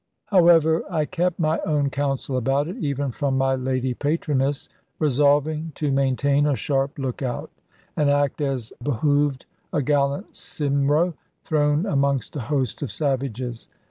However, I kept my own counsel about it, even from my lady patroness, resolving to maintain a sharp look out, and act as behoved a gallant Cymro, thrown amongst a host of savages.